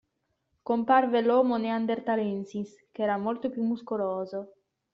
Comparve l'Homo Neanderthalensis che era molto più muscoloso.